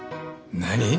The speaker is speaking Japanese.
何？